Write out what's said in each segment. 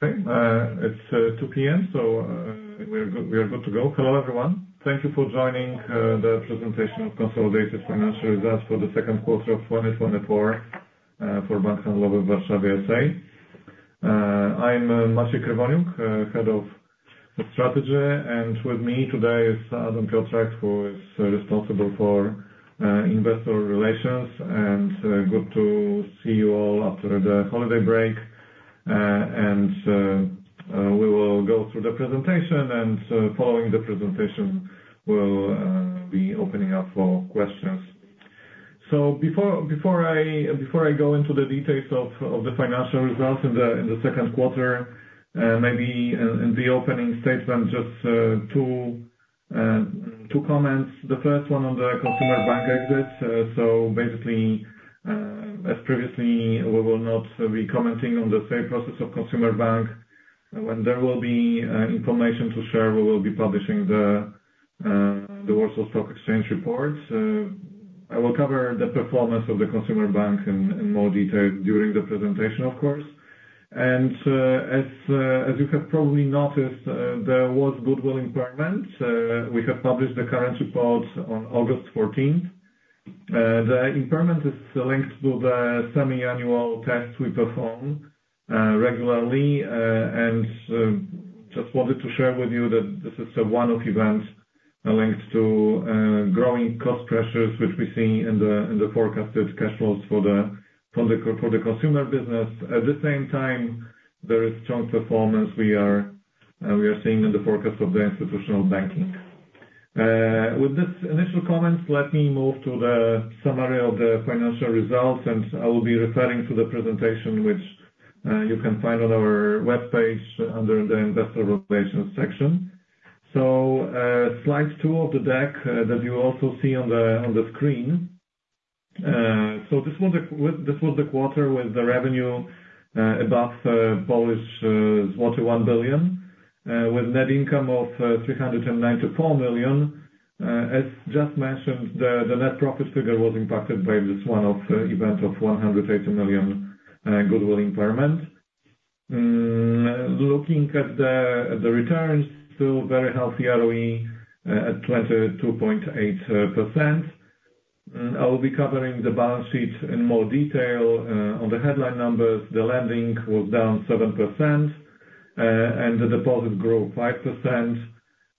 Okay, it's 2:00 P.M., so we're good, we are good to go. Hello, everyone. Thank you for joining the presentation of consolidated financial results for the second quarter of 2024 for Bank Handlowy w Warszawie S.A. I'm Maciej Krywoniuk, Head of Strategy, and with me today is Adam Pioterek, who is responsible for Investor Relations, and good to see you all after the holiday break, and we will go through the presentation, and following the presentation, we'll be opening up for questions. So before I go into the details of the financial results in the second quarter, maybe in the opening statement, just two comments. The first one on the Consumer Bank exit. So basically, as previously, we will not be commenting on the sale process of Consumer Bank. When there will be information to share, we will be publishing the Warsaw Stock Exchange reports. I will cover the performance of the Consumer Bank in more detail during the presentation, of course. And, as you have probably noticed, there was goodwill impairment, we have published the current report on August fourteenth. The impairment is linked to the semiannual tests we perform regularly. And just wanted to share with you that this is a one-off event linked to growing cost pressures, which we see in the forecasted cash flows for the consumer business. At the same time, there is strong performance we are seeing in the forecast of the institutional banking. With this initial comments, let me move to the summary of the financial results, and I will be referring to the presentation, which you can find on our webpage under the Investor Relations section. So, slide two of the deck that you also see on the screen. So this was the quarter with the revenue above 1 billion, with net income of 394 million. As just mentioned, the net profit figure was impacted by this one-off event of 180 million goodwill impairment. Looking at the returns, still very healthy ROE at 22.8%. I will be covering the balance sheet in more detail. On the headline numbers, the lending was down 7%, and the deposit grew 5%.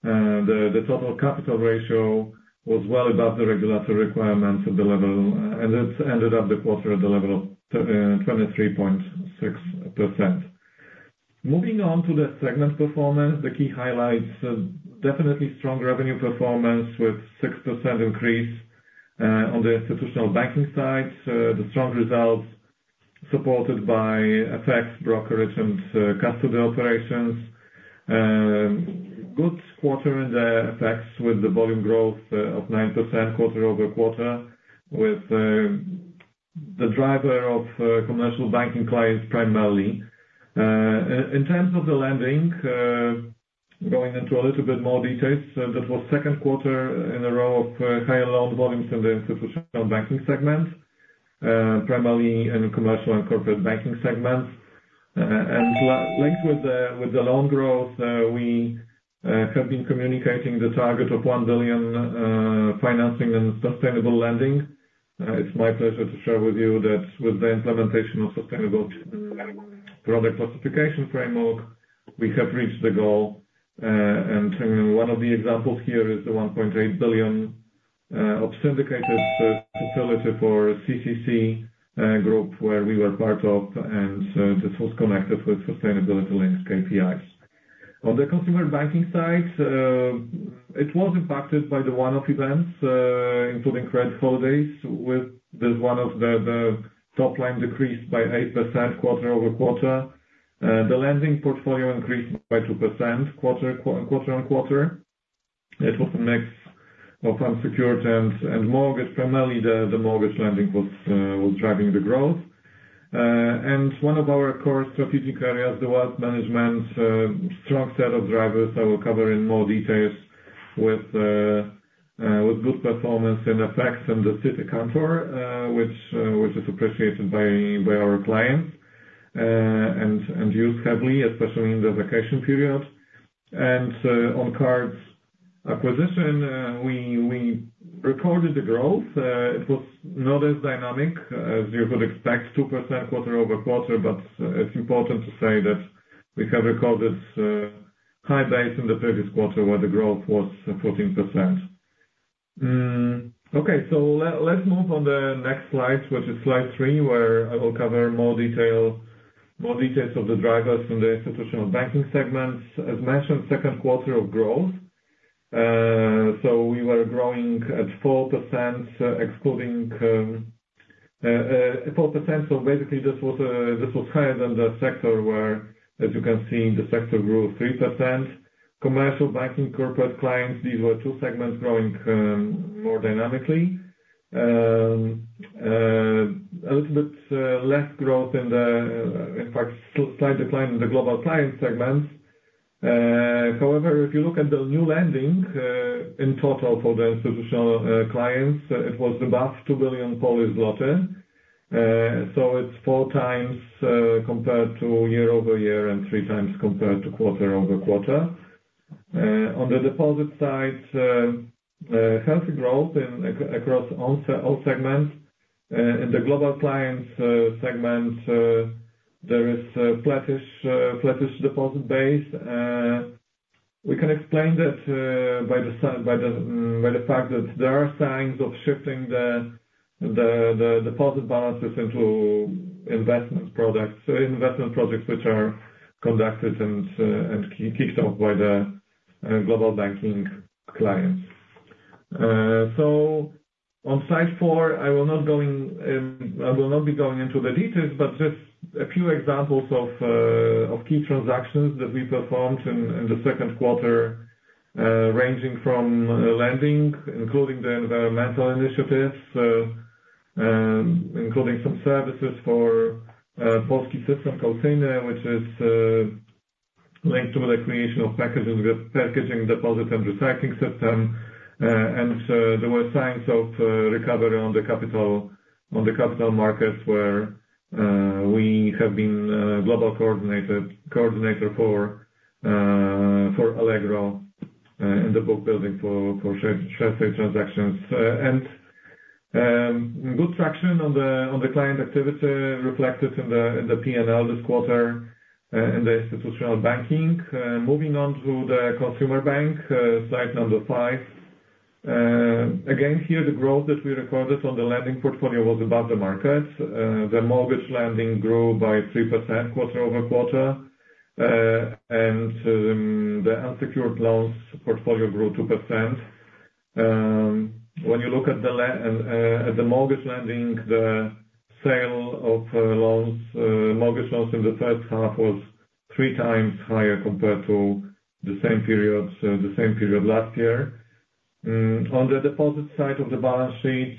The total capital ratio was well above the regulatory requirements at the level, and it ended up the quarter at the level of 23.6%. Moving on to the segment performance, the key highlights, definitely strong revenue performance with 6% increase on the institutional banking side. The strong results supported by FX, brokerage, and custody operations. Good quarter in the FX with the volume growth of 9% quarter over quarter, with the driver of commercial banking clients, primarily. In terms of the lending, going into a little bit more details, so that was second quarter in a row of higher loan volumes in the institutional banking segment, primarily in commercial and corporate banking segments, and linked with the loan growth, we have been communicating the target of 1 billion financing and sustainable lending. It's my pleasure to share with you that with the implementation of sustainable product classification framework, we have reached the goal, and one of the examples here is the 1.8 billion of syndicated facility for CCC Group, where we were part of, and this was connected with sustainability-linked KPIs. On the consumer banking side, it was impacted by the one-off events, including credit holidays. With the one-off, the top line decreased by 8% quarter over quarter. The lending portfolio increased by 2% quarter on quarter. It was a mix of unsecured terms and mortgage. Primarily, the mortgage lending was driving the growth, and one of our core strategic areas, the wealth management, strong set of drivers I will cover in more details with good performance and FX on the Citi Kantor, which is appreciated by our clients, and used heavily, especially in the vacation period, and on cards acquisition, we recorded the growth. It was not as dynamic as you would expect, 2% quarter over quarter, but it's important to say that we have recorded high rates in the previous quarter, where the growth was 14%. Okay, so let's move on to the next slide, which is slide three, where I will cover more details of the drivers from the institutional banking segments. As mentioned, second quarter of growth. So we were growing at 4%, excluding 4%. So basically, this was higher than the sector where, as you can see, the sector grew 3%. Commercial banking, corporate clients, these were two segments growing more dynamically. A little bit less growth in the, in fact, slight decline in the Global Clients segment. However, if you look at the new lending, in total for the institutional clients, it was above two billion Polish złoty. So it's four times compared to year over year and three times compared to quarter over quarter. On the deposit side, healthy growth across all segments. In the global clients segment, there is a flattish deposit base. We can explain that by the fact that there are signs of shifting the deposit balances into investment products which are conducted and kicked off by the global banking clients. So on slide four, I will not be going into the details, but just a few examples of key transactions that we performed in the second quarter, ranging from lending, including the environmental initiatives, including some services for Polski System Recyklingu, which is linked to the creation of packaging, the packaging deposit and recycling system. There were signs of recovery on the capital markets, where we have been global coordinator for Allegro in the book building for share transactions. Good traction on the client activity reflected in the PNL this quarter in the institutional banking. Moving on to the consumer bank, slide number five. Again, here, the growth that we recorded on the lending portfolio was above the market. The mortgage lending grew by 3% quarter over quarter, and the unsecured loans portfolio grew 2%. When you look at the mortgage lending, the sale of mortgage loans in the first half was three times higher compared to the same period last year. On the deposit side of the balance sheet,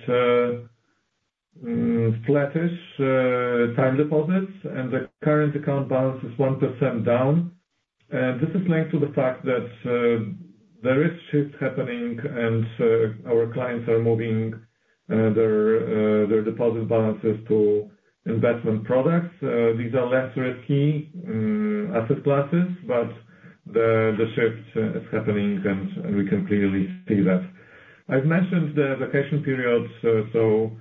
flattish time deposits and the current account balance is 1% down. This is linked to the fact that there is shift happening and our clients are moving their deposit balances to investment products. These are less risky asset classes, but the shift is happening and we can clearly see that. I've mentioned the vacation periods, so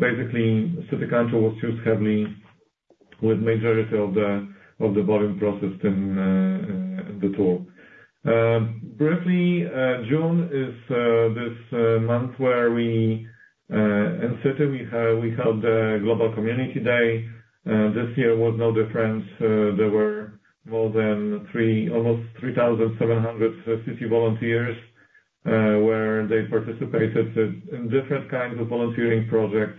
basically, Citi Kantor was hit heavily with majority of the volume processed in the quarter. Briefly, June is this month where we in Citi held the Global Community Day. This year was no different. There were almost 3,700 Citi volunteers, where they participated in different kinds of volunteering projects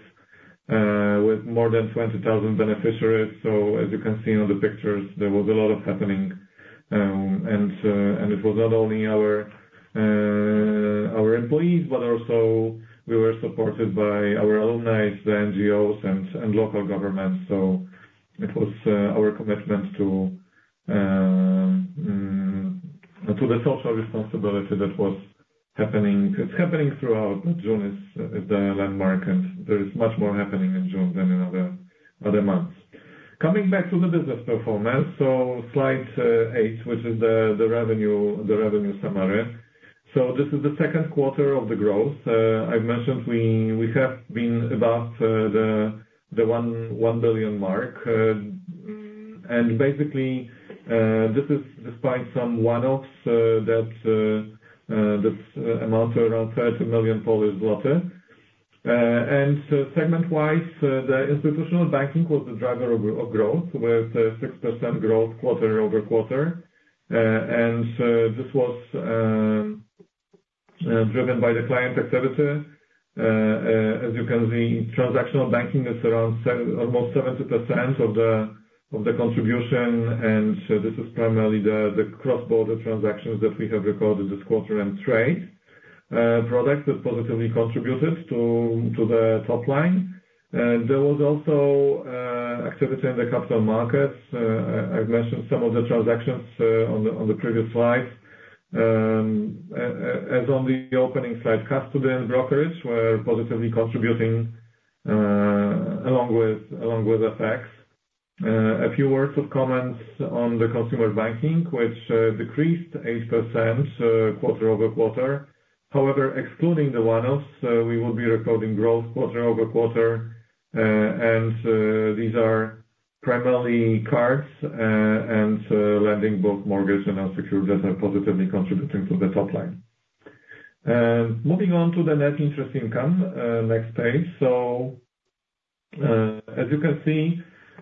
with more than 20,000 beneficiaries. So as you can see on the pictures, there was a lot of happening. And it was not only our employees, but also we were supported by our alumni, the NGOs and local governments. So it was our commitment to the social responsibility that was happening. It's happening throughout June, the landmark, and there is much more happening in June than in other months. Coming back to the business performance, so slide 8, which is the revenue summary. So this is the second quarter of the growth. I've mentioned we have been above the 1 billion mark, and basically, this is despite some one-offs that amount to around 30 million Polish zloty, and segment-wise, the institutional banking was the driver of growth, with a 6% growth quarter over quarter, and this was driven by the client activity. As you can see, transactional banking is around almost 70% of the contribution, and so this is primarily the cross-border transactions that we have recorded this quarter and trade products that positively contributed to the top line. There was also activity in the capital markets. I've mentioned some of the transactions on the previous slide. As on the opening slide, custody and brokerage were positively contributing along with FX. A few words of comments on the consumer banking, which decreased 8% quarter over quarter. However, excluding the one-offs, we will be recording growth quarter over quarter, and these are primarily cards and lending, both mortgage and unsecured, that are positively contributing to the top line. Moving on to the net interest income, next page. So, as you can see,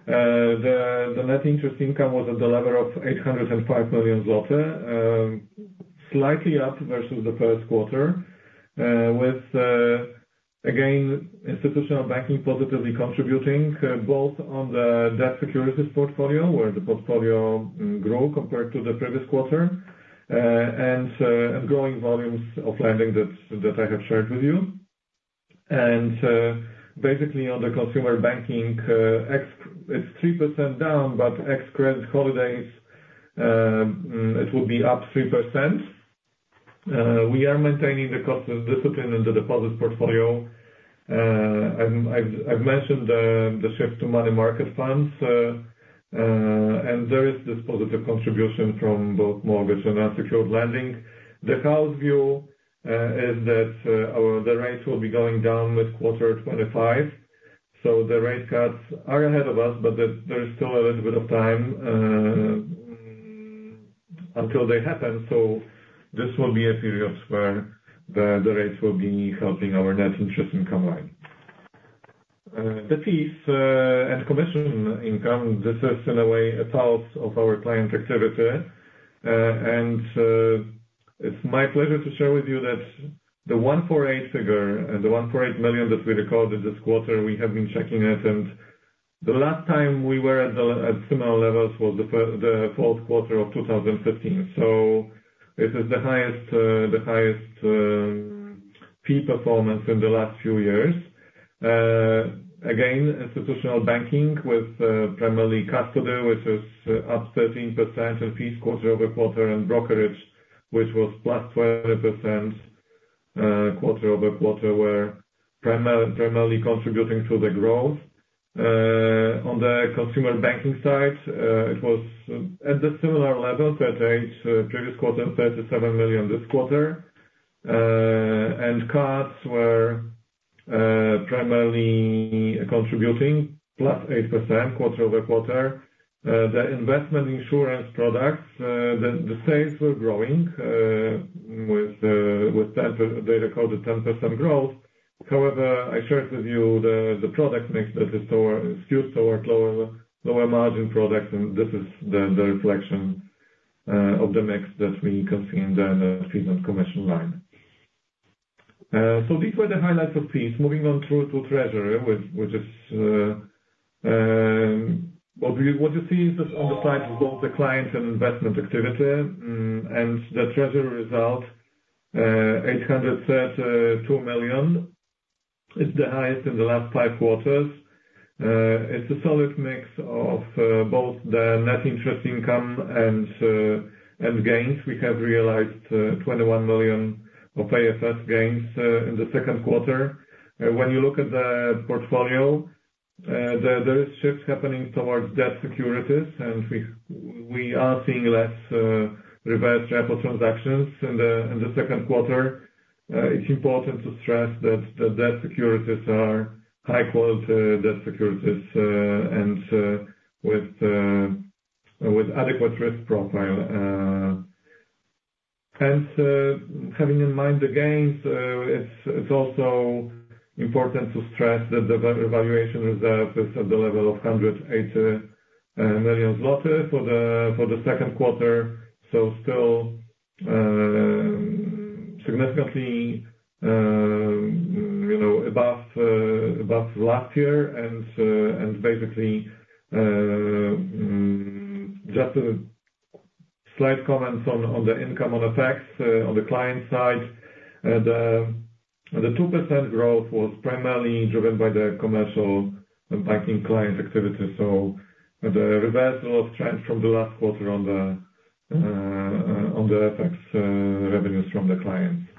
the net interest income was at the level of 805 million zloty, slightly up versus the first quarter, with again institutional banking positively contributing both on the debt securities portfolio, where the portfolio grew compared to the previous quarter, and growing volumes of lending that I have shared with you, and basically on the consumer banking, ex it's 3% down, but ex Credit Holidays, it will be up 3%. We are maintaining the cost of discipline in the deposit portfolio. And I've mentioned the shift to money market funds, and there is this positive contribution from both mortgage and unsecured lending. The house view is that the rates will be going down with quarter 2025, so the rate cuts are ahead of us, but there is still a little bit of time until they happen, so this will be a period where the rates will be helping our net interest income line. The fees and commission income, this is in a way a pulse of our client activity. And it's my pleasure to share with you that the 148 figure and the 148 million that we recorded this quarter, we have been checking it, and the last time we were at similar levels was the fourth quarter of 2015, so this is the highest fee performance in the last few years. Again, institutional banking with primarily custody, which is up 13% and fees quarter over quarter, and brokerage, which was plus 12% quarter over quarter, were primarily contributing to the growth. On the consumer banking side, it was at the similar level, 38 previous quarter, 37 million this quarter, and costs were primarily contributing plus 8% quarter over quarter. The investment insurance products, the sales were growing with 10%. They recorded 10% growth. However, I shared with you the product mix that is skewed toward lower margin products, and this is the reflection of the mix that we can see in the fee commission line, so these were the highlights of fees. Moving on through to treasury, which is what you see is that on the side of both the client and investment activity, and the treasury result, 832 million, is the highest in the last five quarters. It's a solid mix of both the net interest income and gains. We have realized 21 million of AFS gains in the second quarter. When you look at the portfolio, there is shifts happening towards debt securities, and we are seeing less reverse repo transactions in the second quarter. It's important to stress that the debt securities are high quality debt securities and with adequate risk profile. Having in mind the gains, it's also important to stress that the revaluation reserve is at the level of PLN 180 million for the second quarter, so still significantly, you know, above last year. And basically, just a slight comment on the income on the tax. On the client side, the 2% growth was primarily driven by the commercial banking client activity, so the reversal of trends from the last quarter on the tax revenues from the clients.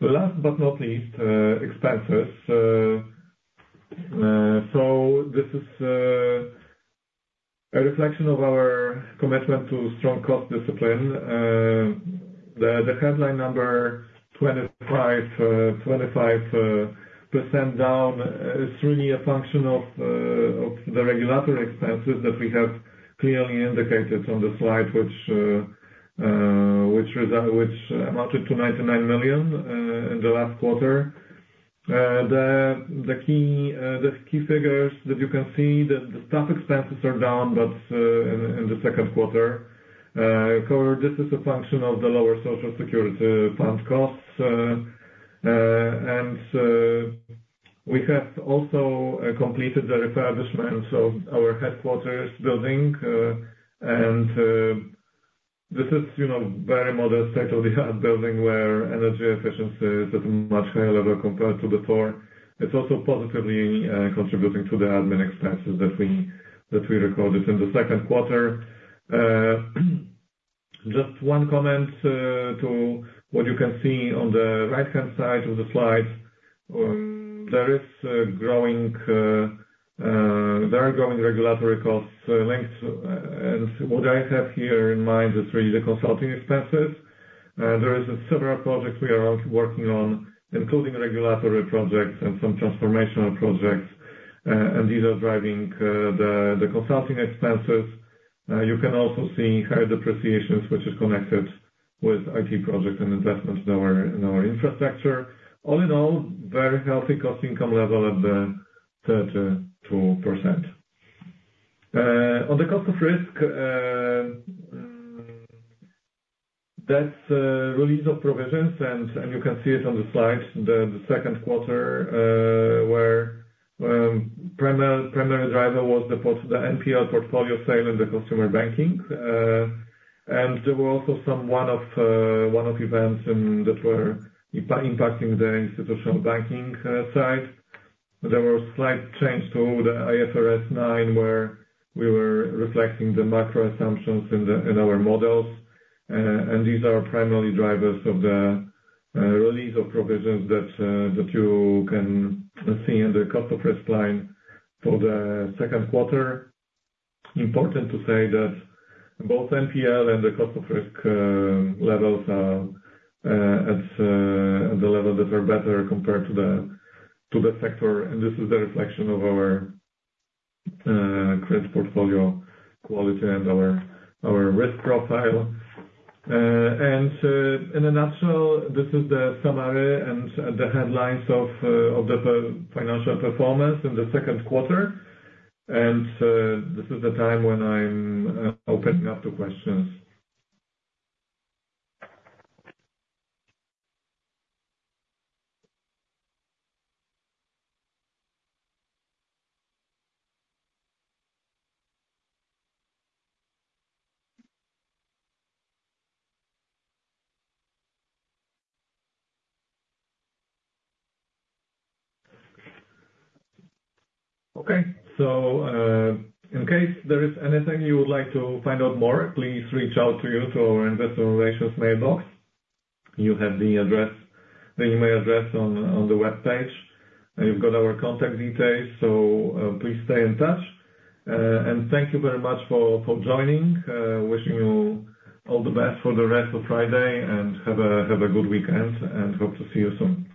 Last but not least, expenses. So this is a reflection of our commitment to strong cost discipline. The headline number, 25% down, is really a function of the regulatory expenses that we have clearly indicated on the slide, which amounted to 99 million in the last quarter. The key figures that you can see, the staff expenses are down, but in the second quarter, however this is a function of the lower social security fund costs. And we have also completed the refurbishment of our headquarters building. And this is, you know, very modest type of building, where energy efficiency is at a much higher level compared to before. It's also positively contributing to the admin expenses that we recorded in the second quarter. Just one comment to what you can see on the right-hand side of the slide. There are growing regulatory costs, links, and what I have here in mind is really the consulting expenses. There are several projects we are also working on, including regulatory projects and some transformational projects, and these are driving the consulting expenses. You can also see higher depreciations, which is connected with IT projects and investments in our infrastructure. All in all, very healthy cost income level at the 32%. On the cost of risk, that's release of provisions, and you can see it on the slide, the second quarter, where primary driver was the NPL portfolio sale in the customer banking. There were also some one-off events that were impacting the institutional banking side. There were slight change to the IFRS 9, where we were reflecting the macro assumptions in our models. These are primarily drivers of the release of provisions that you can see in the cost of risk line for the second quarter. Important to say that both NPL and the cost of risk levels are at the levels that are better compared to the sector, and this is the reflection of our credit portfolio quality and our risk profile. In a nutshell, this is the summary and the headlines of the financial performance in the second quarter. This is the time when I'm opening up to questions. Okay, so, in case there is anything you would like to find out more, please reach out to our investor relations mailbox. You have the address, the email address on the webpage, and you've got our contact details. So, please stay in touch, and thank you very much for joining. Wishing you all the best for the rest of Friday, and have a good weekend, and hope to see you soon. Thank you.